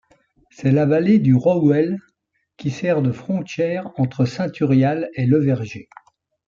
C'est la vallée du Rohuel qui sert de frontière entre Saint-Thurial et Le Verger.